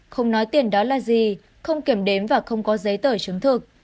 không nói tiền đó là gì không kiểm đếm và không có giấy tờ chứng thực